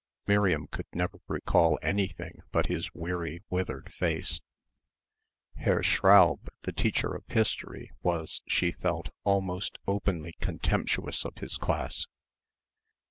Miriam could never recall anything but his weary withered face. Herr Schraub, the teacher of history, was, she felt, almost openly contemptuous of his class.